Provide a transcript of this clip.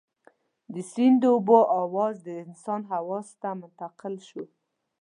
د سيند د اوبو اواز د انسان حواسو ته منتقل شو.